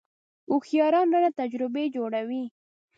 هوښیاران رانه تجربې جوړوي .